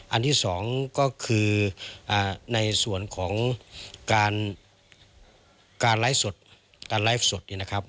อันที่สองก็คือในส่วนของการไลฟ์สด